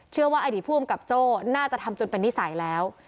อดีตผู้อำกับโจ้น่าจะทำจนเป็นนิสัยแล้ว